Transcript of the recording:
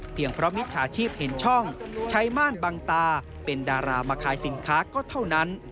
เพราะมิจฉาชีพเห็นช่องใช้ม่านบังตาเป็นดารามาขายสินค้าก็เท่านั้น